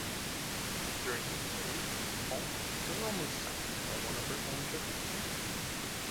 During this melee "Pompon" was almost sunk by one of her own torpedoes.